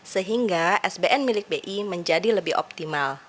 sehingga sbn milik bi menjadi lebih optimal